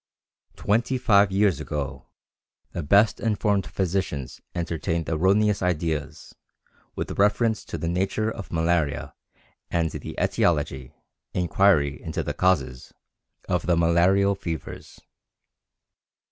Twenty five years ago the best informed physicians entertained erroneous ideas with reference to the nature of malaria and the etiology [inquiry into the causes] of the malarial fevers.